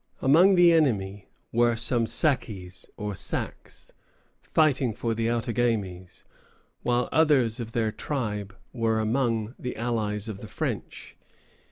Among the enemy were some Sakis, or Sacs, fighting for the Outagamies, while others of their tribe were among the allies of the French.